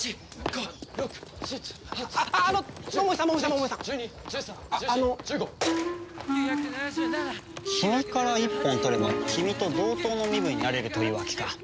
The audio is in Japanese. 君から一本取れば君と同等の身分になれるというわけか。